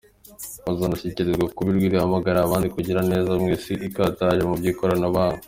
Bazanashishikarizwa kuba ijwi rihamagarira abandi kugira neza mu isi ikataje mu by’ikoranabuhanga.